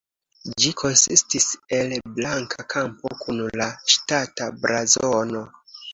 Ĝi konsistis el blanka kampo kun la ŝtata blazono.